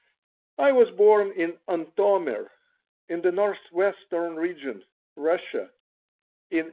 I was born in Antomir, in the Northwestern Region, Russia, in 1865.